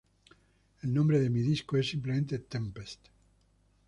El nombre de mi disco es simplemente "Tempest".